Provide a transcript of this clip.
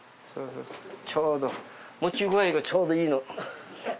ちょうど持ち具合がちょうどいいの。